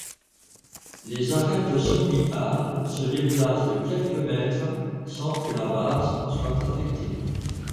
Les arêtes sommitales se déplacent de quelques mètres sans que la base soit affectée.